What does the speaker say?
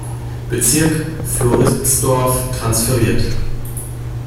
Bezirk, Floridsdorf, transferiert.